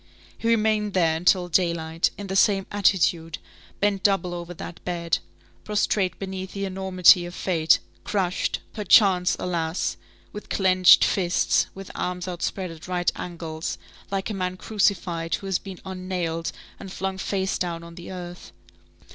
He remained there until daylight, in the same attitude, bent double over that bed, prostrate beneath the enormity of fate, crushed, perchance, alas! with clenched fists, with arms outspread at right angles, like a man crucified who has been un nailed, and flung face down on the earth.